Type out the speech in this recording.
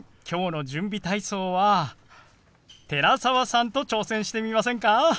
今日の準備体操は寺澤さんと挑戦してみませんか？